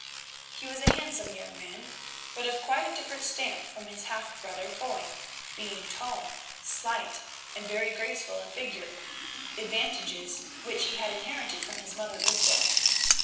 He was a handsome young man, but of quite a different stamp from his half brother, Foy, being tall, slight, and very graceful in figure; advantages which he had inherited from his mother Lysbeth.